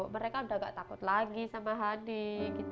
mereka udah gak takut lagi sama hadi